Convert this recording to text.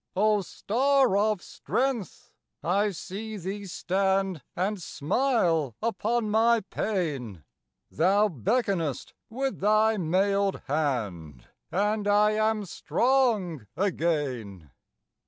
O star of strength! I see thee stand And smile upon my pain; Thou beckonest with thy mailed hand, And I am strong again.